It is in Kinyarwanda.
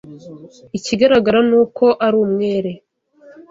Ikigaragara ni uko ari umwere.